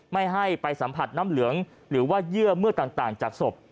ไม่ให้ไปสัมผัสน้ำเหลืองหรือว่าเยื่อเมื่อต่างจากศพ